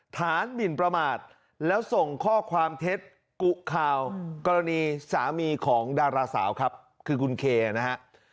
ฐานหมินประมาทแล้วส่งข้อความเท็จกุข่าวกรณีสามีของดาราสาวครับคือคุณเคนะฮะ